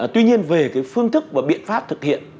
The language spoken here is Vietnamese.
tuy nhiên về cái phương thức và biện pháp thực hiện